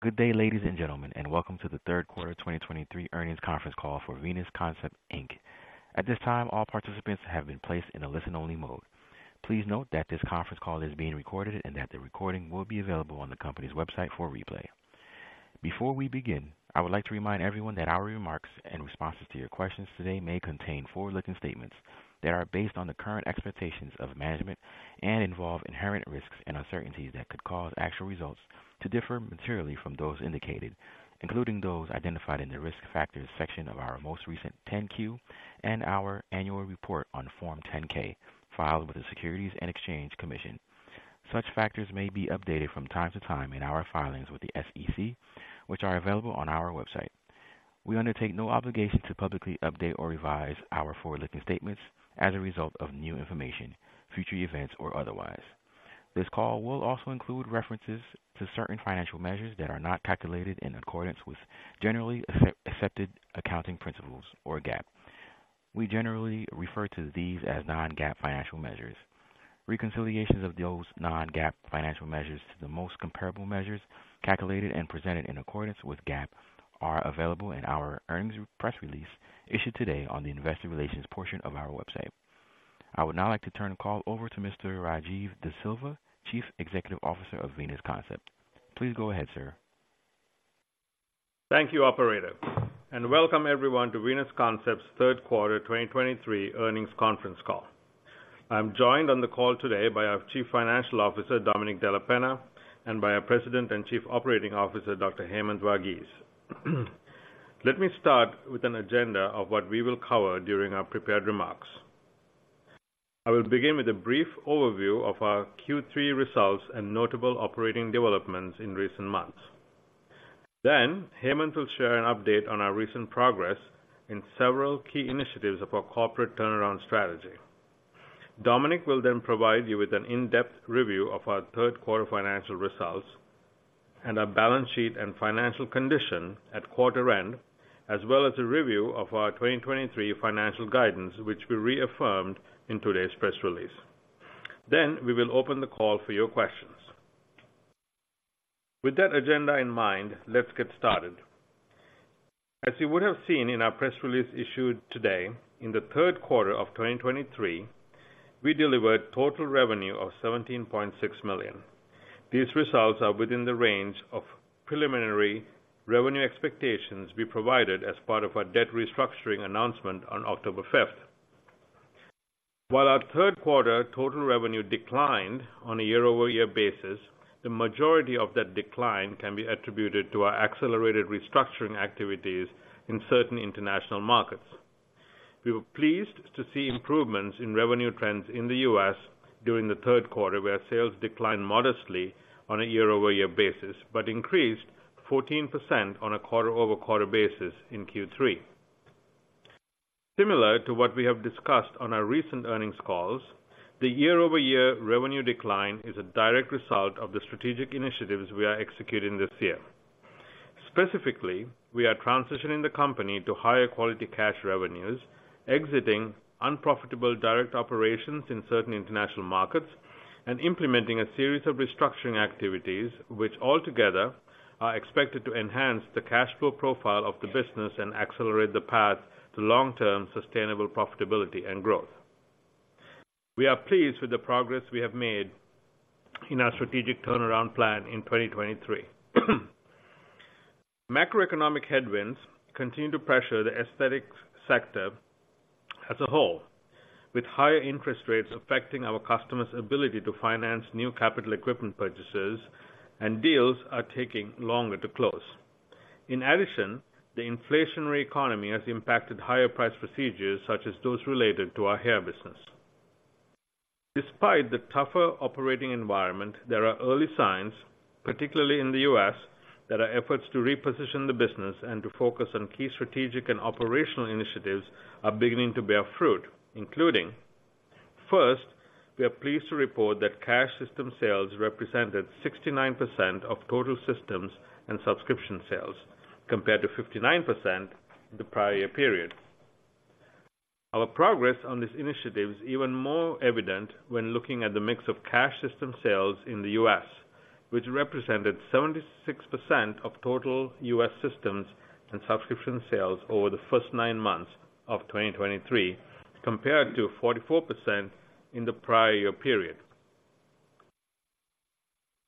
Good day, ladies and gentlemen, and Welcome to the Q3 2023 Earnings Conference Call for Venus Concept Inc. At this time, all participants have been placed in a listen-only mode. Please note that this conference call is being recorded and that the recording will be available on the company's website for replay. Before we begin, I would like to remind everyone that our remarks and responses to your questions today may contain forward-looking statements that are based on the current expectations of management and involve inherent risks and uncertainties that could cause actual results to differ materially from those indicated, including those identified in the Risk Factors section of our most recent 10-Q and our annual report on Form 10-K, filed with the Securities and Exchange Commission. Such factors may be updated from time to time in our filings with the SEC, which are available on our website. We undertake no obligation to publicly update or revise our forward-looking statements as a result of new information, future events, or otherwise. This call will also include references to certain financial measures that are not calculated in accordance with generally accepted accounting principles or GAAP. We generally refer to these as non-GAAP financial measures. Reconciliations of those non-GAAP financial measures to the most comparable measures, calculated and presented in accordance with GAAP, are available in our earnings press release issued today on the investor relations portion of our website. I would now like to turn the call over to Mr. Rajiv De Silva, Chief Executive Officer of Venus Concept. Please go ahead, sir. Thank you, operator, and welcome everyone to Venus Concept's Q3 2023 earnings conference call. I'm joined on the call today by our Chief Financial Officer, Domenic Della Penna, and by our President and Chief Operating Officer, Dr. Hemanth Varghese. Let me start with an agenda of what we will cover during our prepared remarks. I will begin with a brief overview of our Q3 results and notable operating developments in recent months. Then Hemanth will share an update on our recent progress in several key initiatives of our corporate turnaround strategy. Domenic will then provide you with an in-depth review of our Q3 financial results and our balance sheet and financial condition at quarter end, as well as a review of our 2023 financial guidance, which we reaffirmed in today's press release. Then we will open the call for your questions. With that agenda in mind, let's get started. As you would have seen in our press release issued today, in the Q3 of 2023, we delivered total revenue of $17.6 million. These results are within the range of preliminary revenue expectations we provided as part of our debt restructuring announcement on October 5th. While our Q3 total revenue declined on a year-over-year basis, the majority of that decline can be attributed to our accelerated restructuring activities in certain international markets. We were pleased to see improvements in revenue trends in the U.S. during the Q3, where sales declined modestly on a year-over-year basis, but increased 14% on a quarter-over-quarter basis in Q3. Similar to what we have discussed on our recent earnings calls, the year-over-year revenue decline is a direct result of the strategic initiatives we are executing this year. Specifically, we are transitioning the company to higher quality cash revenues, exiting unprofitable direct operations in certain international markets, and implementing a series of restructuring activities, which altogether are expected to enhance the cash flow profile of the business and accelerate the path to long-term sustainable profitability and growth. We are pleased with the progress we have made in our strategic turnaround plan in 2023. Macroeconomic headwinds continue to pressure the aesthetics sector as a whole, with higher interest rates affecting our customers' ability to finance new capital equipment purchases. Deals are taking longer to close. In addition, the inflationary economy has impacted higher price procedures, such as those related to our hair business. Despite the tougher operating environment, there are early signs, particularly in the U.S., that our efforts to reposition the business and to focus on key strategic and operational initiatives are beginning to bear fruit, including: First, we are pleased to report that cash system sales represented 69% of total systems and subscription sales, compared to 59% the prior year period. Our progress on this initiative is even more evident when looking at the mix of cash system sales in the U.S., which represented 76% of total U.S. systems and subscription sales over the first 9 months of 2023, compared to 44% in the prior year period.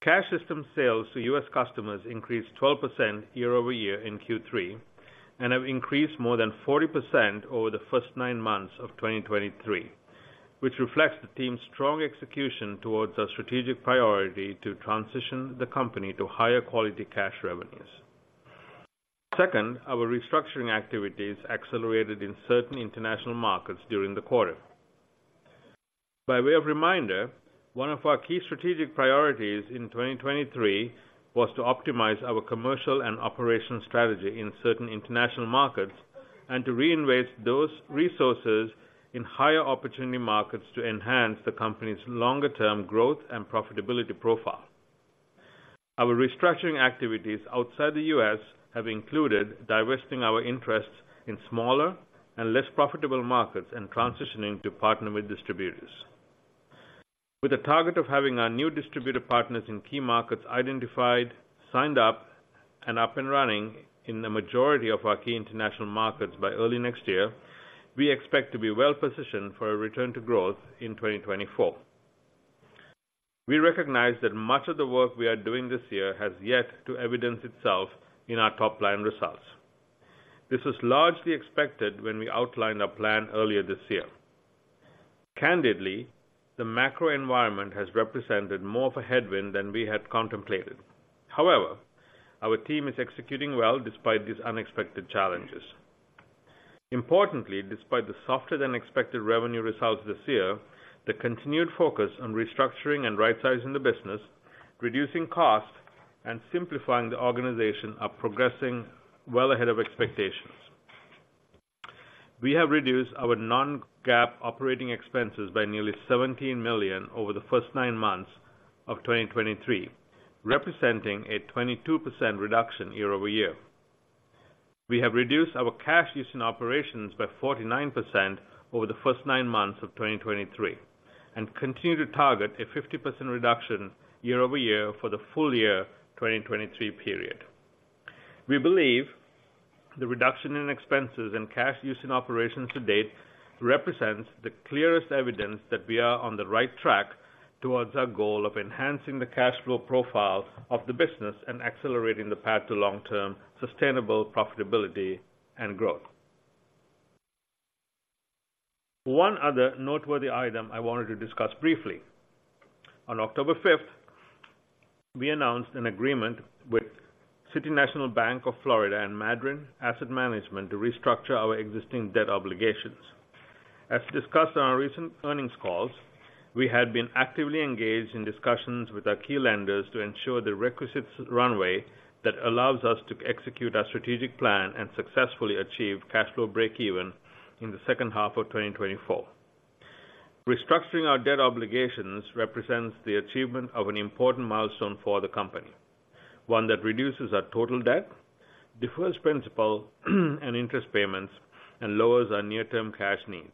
Cash system sales to U.S. customers increased 12% year-over-year in Q3 and have increased more than 40% over the first 9 months of 2023, which reflects the team's strong execution towards a strategic priority to transition the company to higher quality cash revenues. Second, our restructuring activities accelerated in certain international markets during the quarter. By way of reminder, one of our key strategic priorities in 2023 was to optimize our commercial and operational strategy in certain international markets and to reinvest those resources in higher opportunity markets to enhance the company's longer-term growth and profitability profile. Our restructuring activities outside the U.S. have included divesting our interests in smaller and less profitable markets and transitioning to partner with distributors. With a target of having our new distributor partners in key markets identified, signed up, and up and running in the majority of our key international markets by early next year, we expect to be well-positioned for a return to growth in 2024. We recognize that much of the work we are doing this year has yet to evidence itself in our top-line results. This was largely expected when we outlined our plan earlier this year. Candidly, the macro environment has represented more of a headwind than we had contemplated. However, our team is executing well despite these unexpected challenges. Importantly, despite the softer than expected revenue results this year, the continued focus on restructuring and right-sizing the business, reducing costs, and simplifying the organization are progressing well ahead of expectations. We have reduced our non-GAAP operating expenses by nearly $17 million over the first nine months of 2023, representing a 22% reduction year-over-year. We have reduced our cash use in operations by 49% over the first nine months of 2023, and continue to target a 50% reduction year-over-year for the full year, 2023 period. We believe the reduction in expenses and cash use in operations to date represents the clearest evidence that we are on the right track towards our goal of enhancing the cash flow profile of the business and accelerating the path to long-term sustainable profitability and growth. One other noteworthy item I wanted to discuss briefly. On October 5, we announced an agreement with City National Bank of Florida and Madryn Asset Management to restructure our existing debt obligations. As discussed on our recent earnings calls, we had been actively engaged in discussions with our key lenders to ensure the requisite runway that allows us to execute our strategic plan and successfully achieve cash flow break even in the second half of 2024. Restructuring our debt obligations represents the achievement of an important milestone for the company, one that reduces our total debt, defers principal and interest payments, and lowers our near-term cash needs.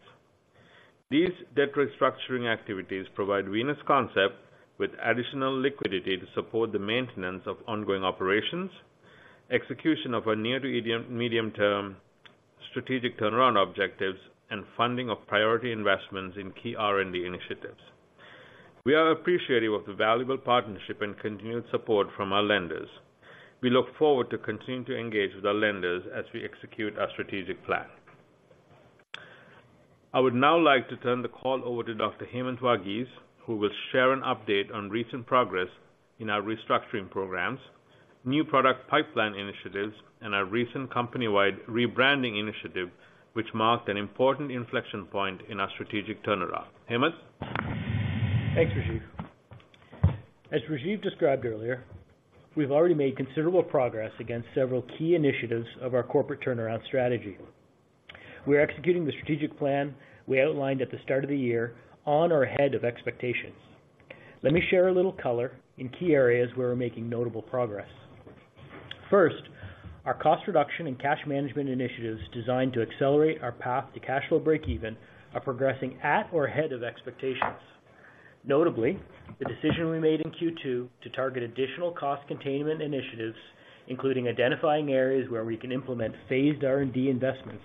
These debt restructuring activities provide Venus Concept with additional liquidity to support the maintenance of ongoing operations, execution of our near- to medium-term strategic turnaround objectives, and funding of priority investments in key R&D initiatives. We are appreciative of the valuable partnership and continued support from our lenders. We look forward to continuing to engage with our lenders as we execute our strategic plan. I would now like to turn the call over to Dr. Hemanth Varghese, who will share an update on recent progress in our restructuring programs, new product pipeline initiatives, and our recent company-wide rebranding initiative, which marked an important inflection point in our strategic turnaround. Hemanth? Thanks, Rajiv. As Rajiv described earlier, we've already made considerable progress against several key initiatives of our corporate turnaround strategy. We are executing the strategic plan we outlined at the start of the year on or ahead of expectations. Let me share a little color in key areas where we're making notable progress. First, our cost reduction and cash management initiatives designed to accelerate our path to cash flow break even are progressing at or ahead of expectations. Notably, the decision we made in Q2 to target additional cost containment initiatives, including identifying areas where we can implement phased R&D investments,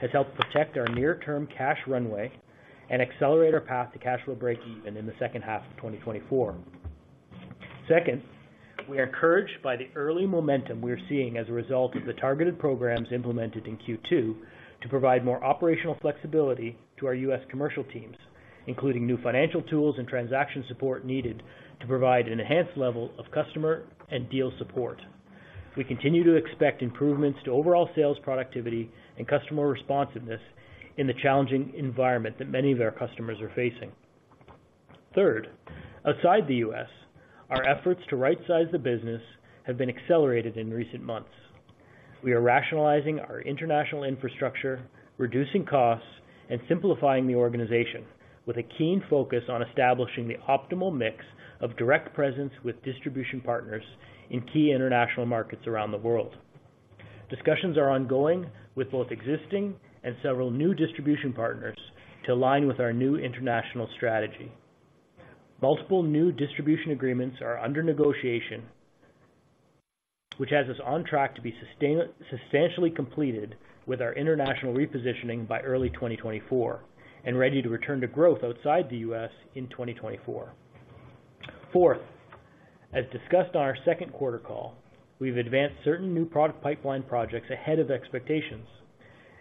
has helped protect our near-term cash runway and accelerate our path to cash flow break-even in the second half of 2024. Second, we are encouraged by the early momentum we are seeing as a result of the targeted programs implemented in Q2 to provide more operational flexibility to our U.S. commercial teams, including new financial tools and transaction support needed to provide an enhanced level of customer and deal support. We continue to expect improvements to overall sales, productivity, and customer responsiveness in the challenging environment that many of our customers are facing. Third, outside the U.S., our efforts to right size the business have been accelerated in recent months. We are rationalizing our international infrastructure, reducing costs, and simplifying the organization with a keen focus on establishing the optimal mix of direct presence with distribution partners in key international markets around the world. Discussions are ongoing with both existing and several new distribution partners to align with our new international strategy. Multiple new distribution agreements are under negotiation, which has us on track to be substantially completed with our international repositioning by early 2024, and ready to return to growth outside the US in 2024. Fourth, as discussed on our Q2 call, we've advanced certain new product pipeline projects ahead of expectations,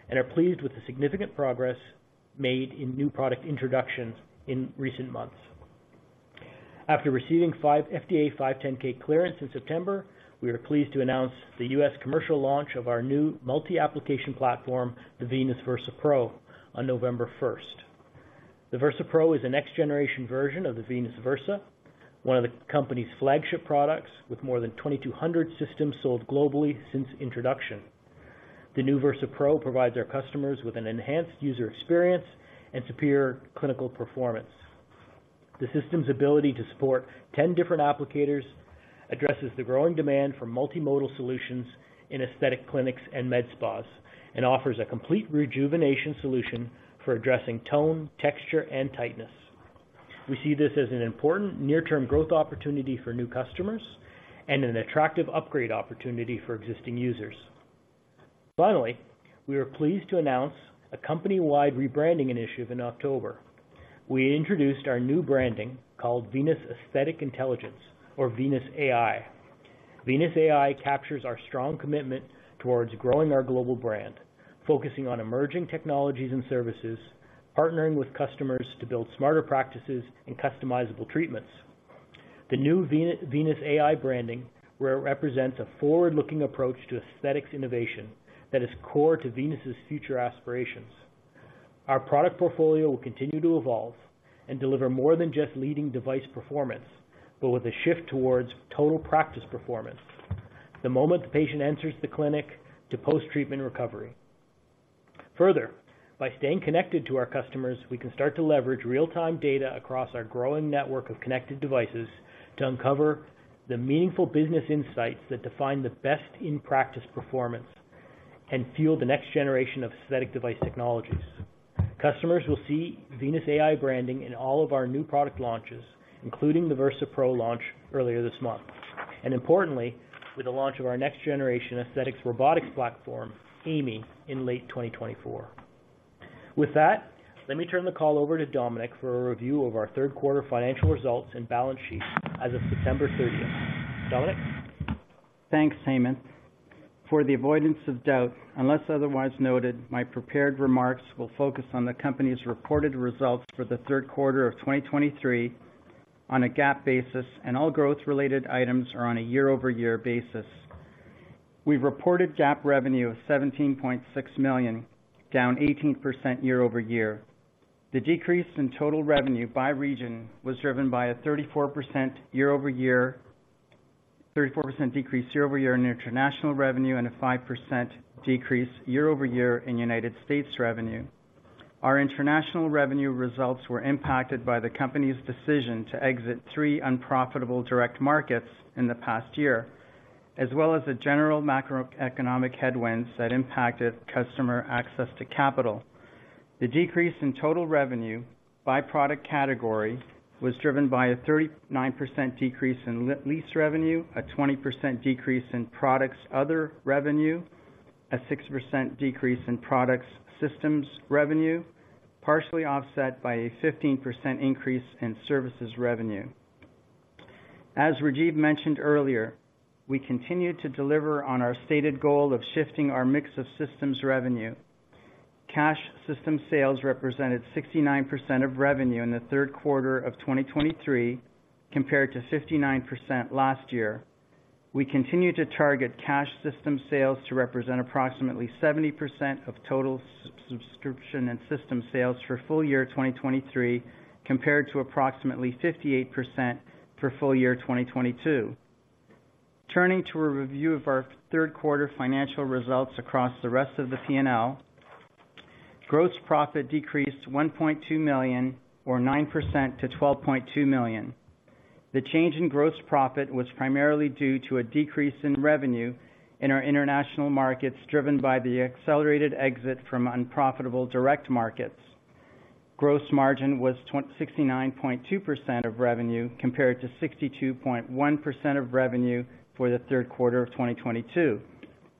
and are pleased with the significant progress made in new product introductions in recent months. After receiving FDA 510(k) clearance in September, we are pleased to announce the US commercial launch of our new multi-application platform, the Venus Versa Pro, on November 1st. The Versa Pro is the next generation version of the Venus Versa, one of the company's flagship products, with more than 2,200 systems sold globally since introduction. The new Versa Pro provides our customers with an enhanced user experience and superior clinical performance. The system's ability to support 10 different applicators addresses the growing demand for multimodal solutions in aesthetic clinics and med spas, and offers a complete rejuvenation solution for addressing tone, texture, and tightness. We see this as an important near-term growth opportunity for new customers and an attractive upgrade opportunity for existing users. Finally, we are pleased to announce a company-wide rebranding initiative in October. We introduced our new branding called Venus Aesthetic Intelligence, or Venus AI. Venus AI captures our strong commitment towards growing our global brand, focusing on emerging technologies and services, partnering with customers to build smarter practices and customizable treatments. The new Venus AI branding represents a forward-looking approach to aesthetics innovation that is core to Venus's future aspirations. Our product portfolio will continue to evolve and deliver more than just leading device performance, but with a shift towards total practice performance, the moment the patient enters the clinic to post-treatment recovery. Further, by staying connected to our customers, we can start to leverage real-time data across our growing network of connected devices to uncover the meaningful business insights that define the best in-practice performance and fuel the next generation of aesthetic device technologies. Customers will see Venus AI branding in all of our new product launches, including the Venus Versa Pro launch earlier this month, and importantly, with the launch of our next-generation aesthetics robotics platform, AI.ME, in late 2024. With that, let me turn the call over to Domenic for a review of our Q3 financial results and balance sheet as of September 30th. Domenic? Thanks, Hemanth. For the avoidance of doubt, unless otherwise noted, my prepared remarks will focus on the company's reported results for the Q3 of 2023 on a GAAP basis, and all growth-related items are on a year-over-year basis. We've reported GAAP revenue of $17.6 million, down 18% year-over-year. The decrease in total revenue by region was driven by a 34% decrease year-over-year in international revenue, and a 5% decrease year-over-year in United States revenue. Our international revenue results were impacted by the company's decision to exit three unprofitable direct markets in the past year, as well as the general macroeconomic headwinds that impacted customer access to capital. The decrease in total revenue by product category was driven by a 39% decrease in lease revenue, a 20% decrease in products other revenue, a 6% decrease in products systems revenue, partially offset by a 15% increase in services revenue. As Rajiv mentioned earlier, we continued to deliver on our stated goal of shifting our mix of systems revenue. Cash system sales represented 69% of revenue in the Q3 of 2023, compared to 59% last year. We continue to target cash system sales to represent approximately 70% of total subscription and system sales for full year 2023, compared to approximately 58% for full year 2022. Turning to a review of our Q3 financial results across the rest of the P&L, gross profit decreased $1.2 million, or 9% to $12.2 million. The change in gross profit was primarily due to a decrease in revenue in our international markets, driven by the accelerated exit from unprofitable direct markets. Gross margin was 69.2% of revenue, compared to 62.1% of revenue for the Q3 of 2022.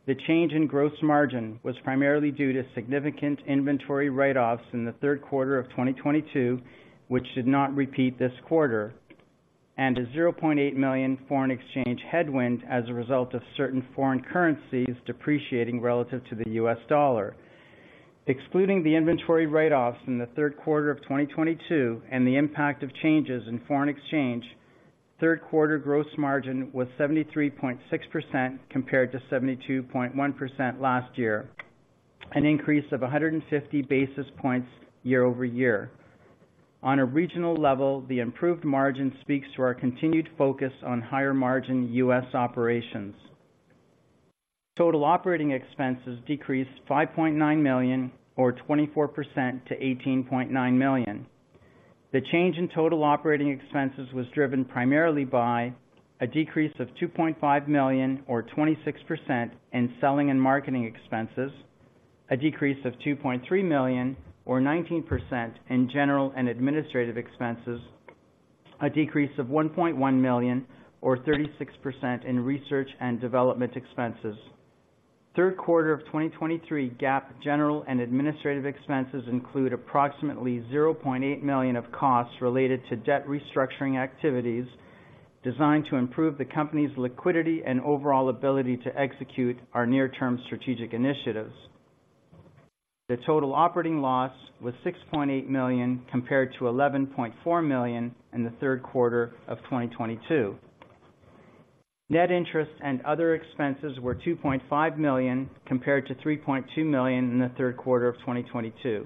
The change in gross margin was primarily due to significant inventory write-offs in the Q3 of 2022, which did not repeat this quarter, and a $0.8 million foreign exchange headwind as a result of certain foreign currencies depreciating relative to the US dollar. Excluding the inventory write-offs in the Q3 of 2022, and the impact of changes in foreign exchange, Q3 gross margin was 73.6%, compared to 72.1% last year, an increase of 150 basis points year-over-year. On a regional level, the improved margin speaks to our continued focus on higher-margin U.S. operations. Total operating expenses decreased $5.9 million, or 24% to $18.9 million. The change in total operating expenses was driven primarily by a decrease of $2.5 million, or 26% in selling and marketing expenses, a decrease of $2.3 million, or 19% in general and administrative expenses, a decrease of $1.1 million, or 36% in research and development expenses. Q3 of 2023, GAAP, general and administrative expenses include approximately $0.8 million of costs related to debt restructuring activities designed to improve the company's liquidity and overall ability to execute our near-term strategic initiatives. The total operating loss was $6.8 million, compared to $11.4 million in the Q3 of 2022. Net interest and other expenses were $2.5 million, compared to $3.2 million in the Q3 of 2022.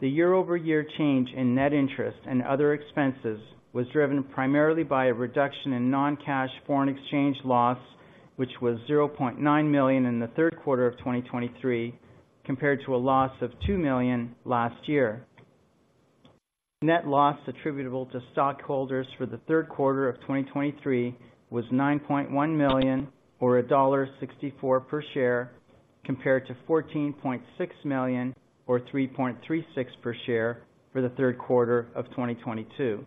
The year-over-year change in net interest and other expenses was driven primarily by a reduction in non-cash foreign exchange loss, which was $0.9 million in the Q3 of 2023, compared to a loss of $2 million last year. Net loss attributable to stockholders for the Q3 of 2023 was $9.1 million, or $1.64 per share, compared to $14.6 million, or $3.36 per share, for the Q3 of 2022.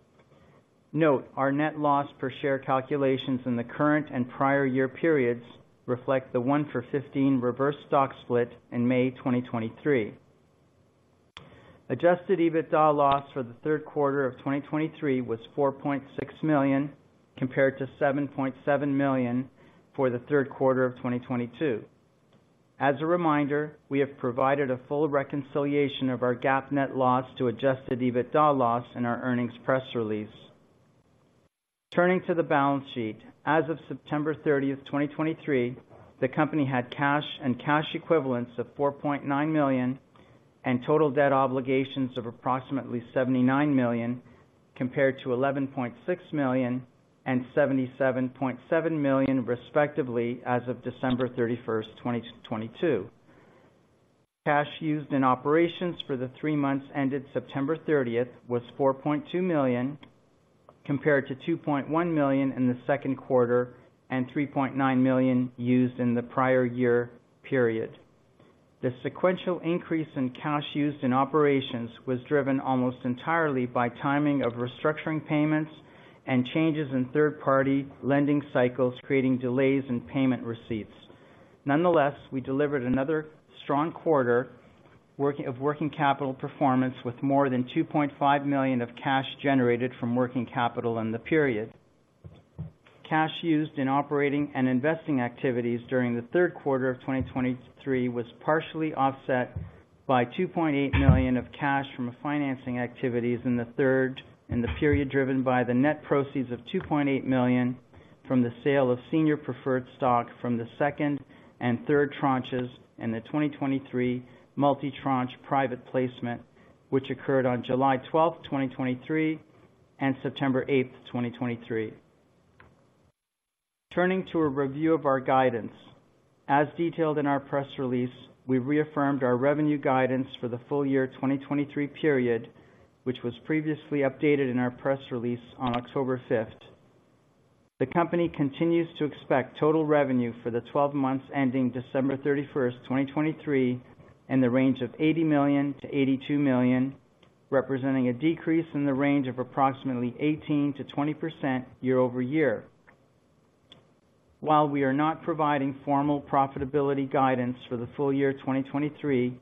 Note: Our net loss per share calculations in the current and prior year periods reflect the 1-for-15 reverse stock split in May 2023. Adjusted EBITDA loss for the Q3 of 2023 was $4.6 million, compared to $7.7 million for the Q3 of 2022. As a reminder, we have provided a full reconciliation of our GAAP net loss to adjusted EBITDA loss in our earnings press release. Turning to the balance sheet, as of September 30, 2023, the company had cash and cash equivalents of $4.9 million, and total debt obligations of approximately $79 million, compared to $11.6 million and $77.7 million, respectively, as of December 31, 2022. Cash used in operations for the three months ended September 30 was $4.2 million, compared to $2.1 million in the Q2 and $3.9 million used in the prior year period. The sequential increase in cash used in operations was driven almost entirely by timing of restructuring payments and changes in third-party lending cycles, creating delays in payment receipts. Nonetheless, we delivered another strong quarter of working capital performance with more than $2.5 million of cash generated from working capital in the period. Cash used in operating and investing activities during the Q3 of 2023 was partially offset by $2.8 million of cash from financing activities in the period, driven by the net proceeds of $2.8 million from the sale of senior preferred stock from the second and third tranches in the 2023 multi-tranche private placement, which occurred on July 12, 2023, and September 8, 2023. Turning to a review of our guidance. As detailed in our press release, we reaffirmed our revenue guidance for the full year 2023 period, which was previously updated in our press release on October 5. The company continues to expect total revenue for the twelve months ending December 31, 2023, in the range of $80 million-$82 million, representing a decrease in the range of approximately 18%-20% year over year. While we are not providing formal profitability guidance for the full year 2023,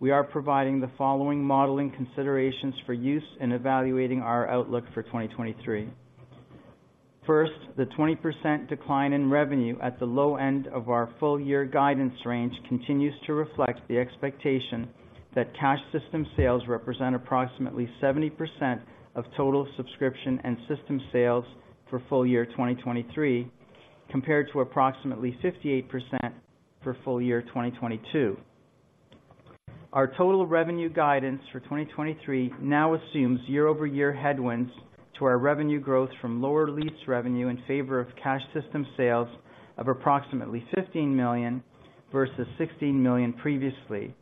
we are providing the following modeling considerations for use in evaluating our outlook for 2023. First, the 20% decline in revenue at the low end of our full year guidance range continues to reflect the expectation that cash system sales represent approximately 70% of total subscription and system sales for full year 2023, compared to approximately 58% for full year 2022. Our total revenue guidance for 2023 now assumes year-over-year headwinds to our revenue growth from lower lease revenue in favor of cash system sales of approximately $15 million versus $16 million previously,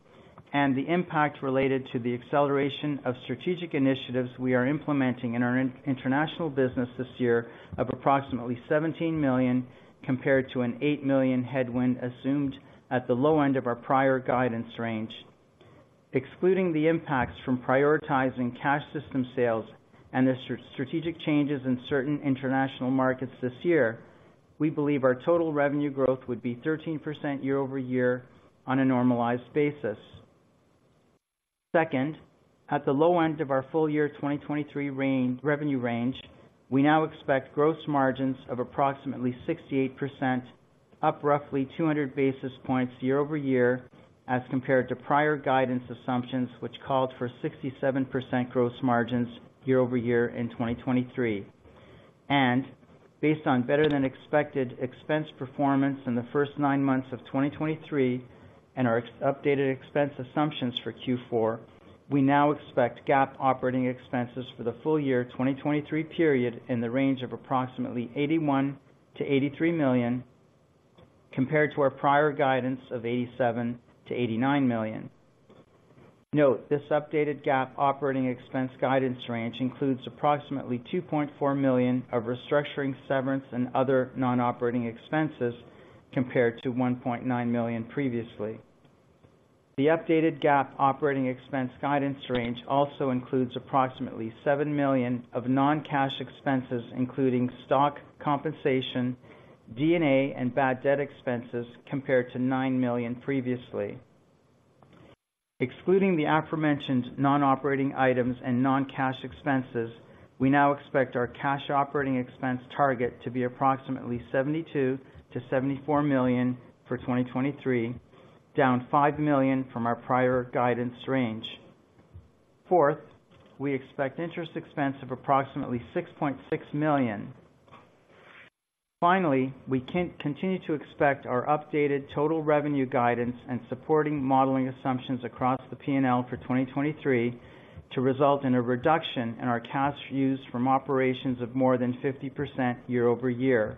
and the impact related to the acceleration of strategic initiatives we are implementing in our international business this year of approximately $17 million, compared to an $8 million headwind assumed at the low end of our prior guidance range. Excluding the impacts from prioritizing cash system sales and the strategic changes in certain international markets this year, we believe our total revenue growth would be 13% year over year on a normalized basis. Second, at the low end of our full year 2023 range, revenue range, we now expect gross margins of approximately 68%, up roughly 200 basis points year-over-year, as compared to prior guidance assumptions, which called for 67% gross margins year-over-year in 2023. And based on better than expected expense performance in the first nine months of 2023 and our updated expense assumptions for Q4, we now expect GAAP operating expenses for the full year 2023 period in the range of approximately $81-$83 million, compared to our prior guidance of $87-$89 million. Note, this updated GAAP operating expense guidance range includes approximately $2.4 million of restructuring, severance, and other non-operating expenses, compared to $1.9 million previously. The updated GAAP operating expense guidance range also includes approximately $7 million of non-cash expenses, including stock compensation, D&A, and bad debt expenses, compared to $9 million previously. Excluding the aforementioned non-operating items and non-cash expenses, we now expect our cash operating expense target to be approximately $72 million-$74 million for 2023, down $5 million from our prior guidance range. Fourth, we expect interest expense of approximately $6.6 million. Finally, we continue to expect our updated total revenue guidance and supporting modeling assumptions across the P&L for 2023 to result in a reduction in our cash used from operations of more than 50% year-over-year.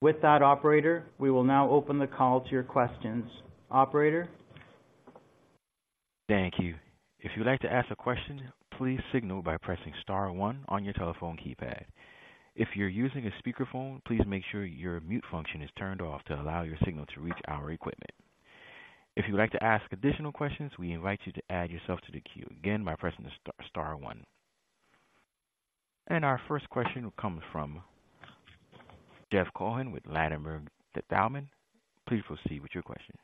With that, operator, we will now open the call to your questions. Operator? Thank you. If you'd like to ask a question, please signal by pressing star one on your telephone keypad. If you're using a speakerphone, please make sure your mute function is turned off to allow your signal to reach our equipment. If you'd like to ask additional questions, we invite you to add yourself to the queue, again, by pressing star star one. And our first question comes from Jeff Cohen with Ladenburg Thalmann. Please proceed with your question.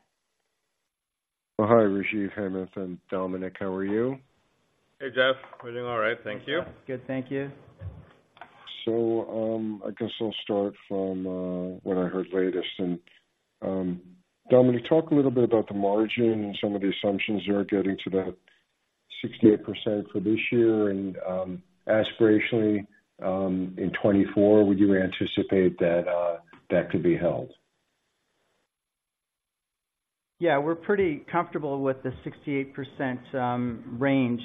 Oh, hi, Rajiv, Hemanth, and Domenic, how are you? Hey, Jeff, we're doing all right, thank you. Good. Thank you. I guess I'll start from what I heard latest. Domenic, talk a little bit about the margin and some of the assumptions that are getting to that 68% for this year and, aspirationally, in 2024, would you anticipate that that could be held? Yeah, we're pretty comfortable with the 68% range.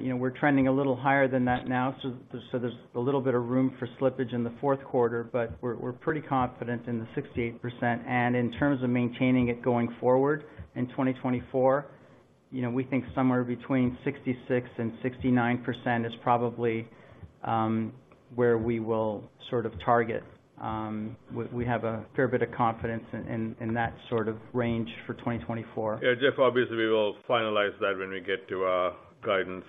You know, we're trending a little higher than that now, so there's a little bit of room for slippage in the Q4, but we're pretty confident in the 68%. And in terms of maintaining it going forward in 2024, you know, we think somewhere between 66% and 69% is probably where we will sort of target. We have a fair bit of confidence in that sort of range for 2024. Yeah, Jeff, obviously, we will finalize that when we get to our guidance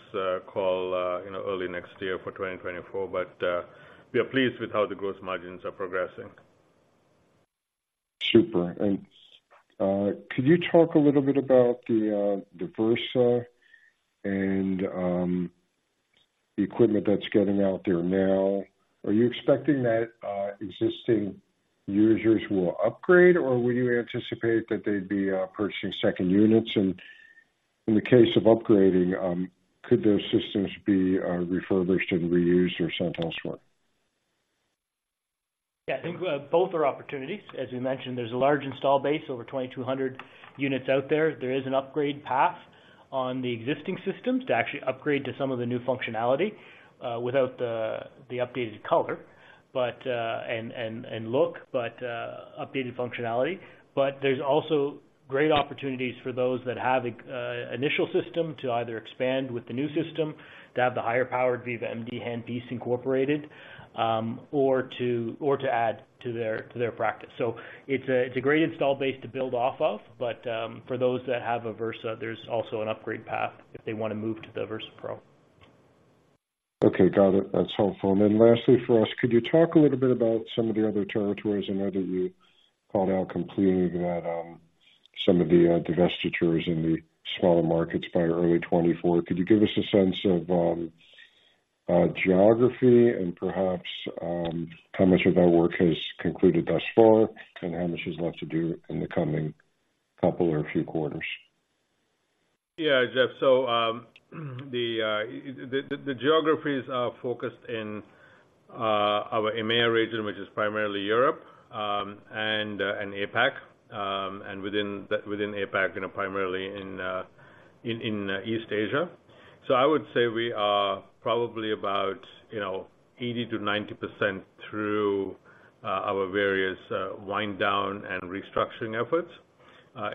call, you know, early next year for 2024. But, we are pleased with how the growth margins are progressing. Super. Could you talk a little bit about the Versa and the equipment that's getting out there now? Are you expecting that existing users will upgrade, or will you anticipate that they'd be purchasing second units? In the case of upgrading, could those systems be refurbished and reused or sent elsewhere? Yeah, I think both are opportunities. As we mentioned, there's a large install base, over 2,200 units out there. There is an upgrade path on the existing systems to actually upgrade to some of the new functionality without the updated color, but updated functionality. But there's also great opportunities for those that have an initial system to either expand with the new system, to have the higher powered Viva MD handpiece incorporated, or to add to their practice. So it's a great install base to build off of, but for those that have a Versa, there's also an upgrade path if they want to move to the Versa Pro. Okay, got it. That's helpful. And then lastly, for us, could you talk a little bit about some of the other territories, and I know you called out completely that, some of the, divestitures in the smaller markets by early 2024. Could you give us a sense of, geography and perhaps, how much of that work has concluded thus far and how much is left to do in the coming couple or a few quarters? Yeah, Jeff. So, the geographies are focused in our EMEA region, which is primarily Europe, and APAC, and within APAC, you know, primarily in East Asia. So I would say we are probably about, you know, 80%-90% through our various wind down and restructuring efforts.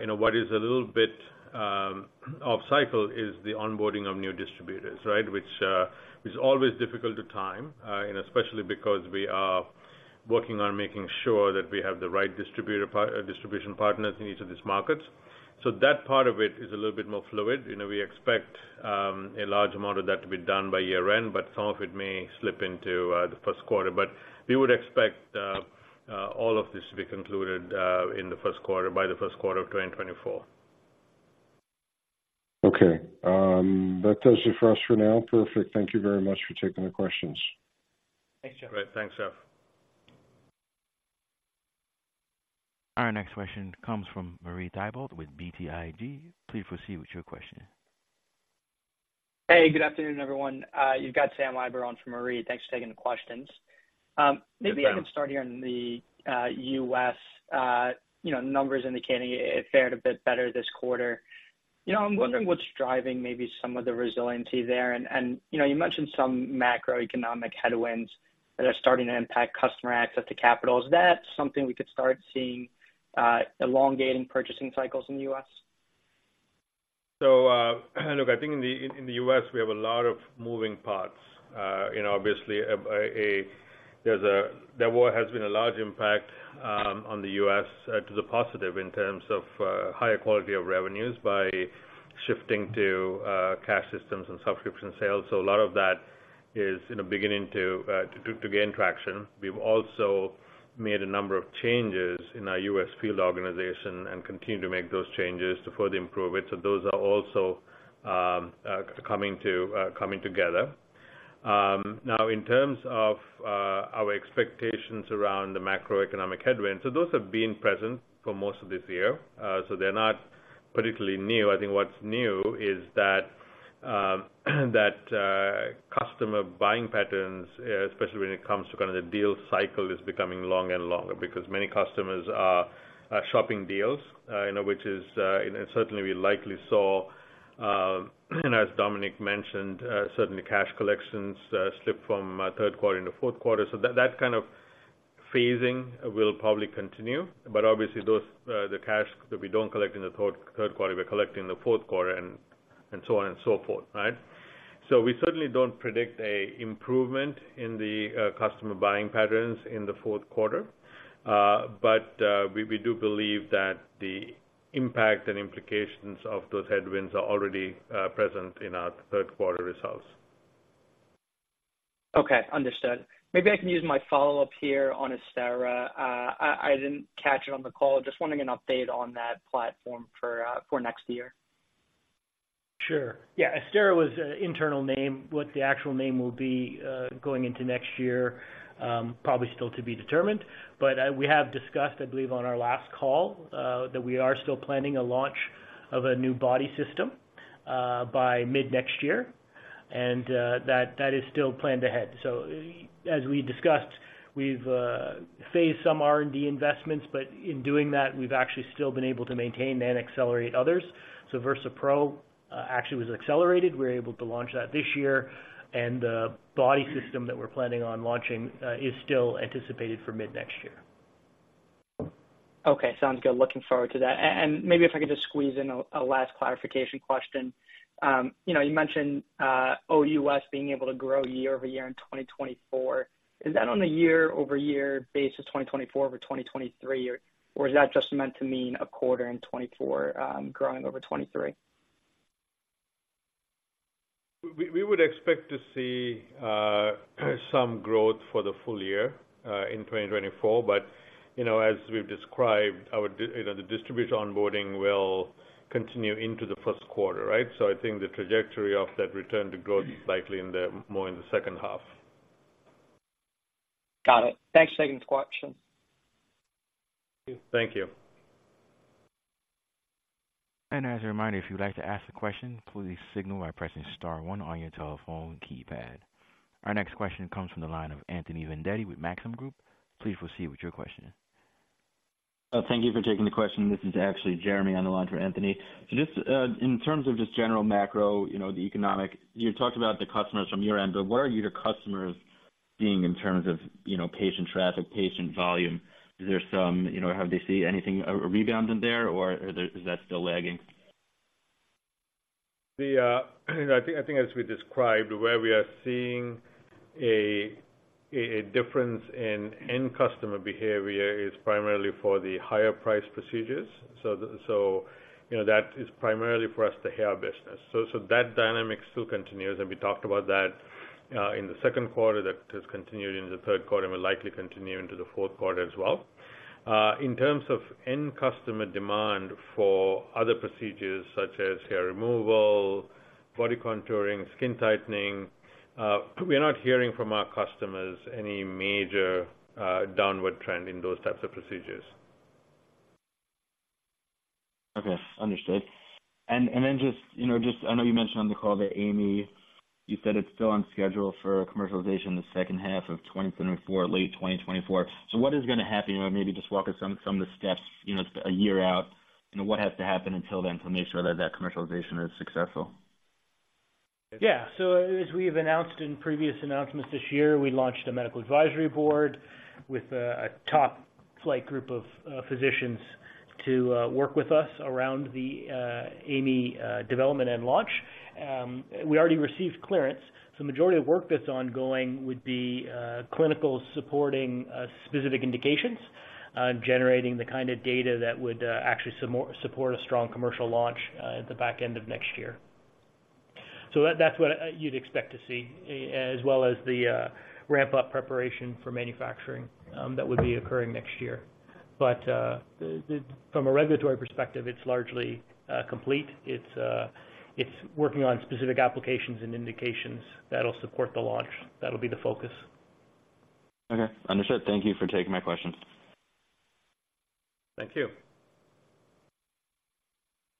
You know, what is a little bit off cycle is the onboarding of new distributors, right? Which is always difficult to time, and especially because we are working on making sure that we have the right distributor part- distribution partners in each of these markets. So that part of it is a little bit more fluid. You know, we expect a large amount of that to be done by year-end, but some of it may slip into the Q1. But we would expect all of this to be concluded in the Q1 by the Q1 of 2024. Okay. That does it for us for now. Perfect. Thank you very much for taking the questions. Thanks, Jeff. Great. Thanks, Jeff. Our next question comes from Marie Thibault with BTIG. Please proceed with your question. Hey, good afternoon, everyone. You've got Sam Eiber on for Marie. Thanks for taking the questions. Good afternoon. Maybe I could start here on the U.S. You know, numbers indicating it fared a bit better this quarter. You know, I'm wondering what's driving maybe some of the resiliency there. And you know, you mentioned some macroeconomic headwinds that are starting to impact customer access to capital. Is that something we could start seeing elongating purchasing cycles in the U.S.? So, look, I think in the U.S., we have a lot of moving parts. You know, obviously, there has been a large impact on the U.S. to the positive in terms of higher quality of revenues by shifting to cash systems and subscription sales. So a lot of that is, you know, beginning to gain traction. We've also made a number of changes in our US field organization and continue to make those changes to further improve it. So those are also coming together. Now, in terms of our expectations around the macroeconomic headwinds, so those have been present for most of this year. So they're not particularly new. I think what's new is that customer buying patterns, especially when it comes to kind of the deal cycle, is becoming longer and longer because many customers are shopping deals, you know, and certainly we likely saw, and as Domenic mentioned, certainly cash collections slip from Q3 into Q4. So that kind of phasing will probably continue. But obviously, those, the cash that we don't collect in the Q3, we're collecting in the Q4, and so on and so forth, right? So we certainly don't predict a improvement in the customer buying patterns in the Q4. But we do believe that the impact and implications of those headwinds are already present in our Q3 results. Okay, understood. Maybe I can use my follow-up here on Asera. I didn't catch it on the call. Just wanting an update on that platform for next year. Sure. Yeah, Asera was an internal name. What the actual name will be, going into next year, probably still to be determined. But, we have discussed, I believe, on our last call, that we are still planning a launch of a new body system, by mid-next year, and, that, that is still planned ahead. So as we discussed, we've phased some R&D investments, but in doing that, we've actually still been able to maintain and accelerate others. So Versa Pro actually was accelerated. We're able to launch that this year, and the body system that we're planning on launching, is still anticipated for mid-next year. Okay, sounds good. Looking forward to that. And maybe if I could just squeeze in a last clarification question. You know, you mentioned OUS being able to grow year-over-year in 2024. Is that on a year-over-year basis, 2024 over 2023, or is that just meant to mean a quarter in 2024 growing over 2023? We would expect to see some growth for the full year in 2024. But, you know, as we've described, you know, the distributor onboarding will continue into the Q1, right? So I think the trajectory of that return to growth is likely in the... more in the second half. Got it. Thanks again for the question. Thank you. As a reminder, if you'd like to ask a question, please signal by pressing star one on your telephone keypad. Our next question comes from the line of Anthony Vendetti with Maxim Group. Please proceed with your question. Thank you for taking the question. This is actually Jeremy on the line for Anthony. So just, in terms of just general macro, you know, the economic, you talked about the customers from your end, but what are your customers seeing in terms of, you know, patient traffic, patient volume? Is there some... You know, have they seen anything, a rebound in there, or is that still lagging? I think as we described, where we are seeing a difference in end customer behavior is primarily for the higher price procedures. So, you know, that is primarily for us, the hair business. So that dynamic still continues, and we talked about that in the Q2. That has continued in the Q3 and will likely continue into the Q4 as well. In terms of end customer demand for other procedures such as hair removal, body contouring, skin tightening, we're not hearing from our customers any major downward trend in those types of procedures. Okay, understood. Then just, you know, I know you mentioned on the call that AI.ME, you said it's still on schedule for commercialization in the second half of 2024, late 2024. So what is going to happen? Or maybe just walk us through some of the steps, you know, a year out, you know, what has to happen until then to make sure that that commercialization is successful? Yeah. So as we've announced in previous announcements this year, we launched a medical advisory board with a top-flight group of physicians to work with us around the AI.ME development and launch. We already received clearance, so majority of work that's ongoing would be clinical supporting specific indications on generating the kind of data that would actually support a strong commercial launch at the back end of next year. So that's what you'd expect to see as well as the ramp up preparation for manufacturing that would be occurring next year. But from a regulatory perspective, it's largely complete. It's working on specific applications and indications that'll support the launch. That'll be the focus. Okay, understood. Thank you for taking my questions. Thank you.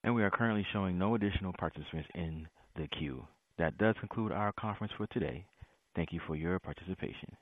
We are currently showing no additional participants in the queue. That does conclude our conference for today. Thank you for your participation.